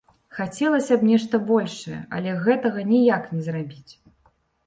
Хацелася б нешта большае, але гэтага ніяк не зрабіць.